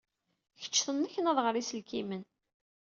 Kečč tenneknad ɣer yiselkimen.